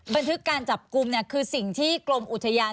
บันทึกการจับกลุ่มคือสิ่งที่กรมอุทยาน